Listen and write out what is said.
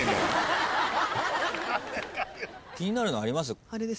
気になるのあります？